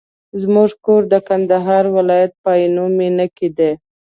زموږ کور د کندهار ولایت په عينو مېنه کي دی.